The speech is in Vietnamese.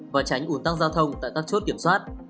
và tránh ủn tắc giao thông tại các chốt kiểm soát